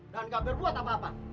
dan gak berbuat tanpa apa apa